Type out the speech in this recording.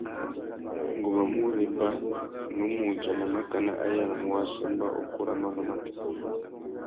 Ngu má mù réba, nnú mù udjana makana a yānamú wāssamba ukú râ manô matê.